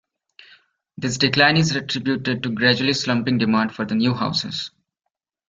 This decline is attributed to gradually slumping demand for the new houses.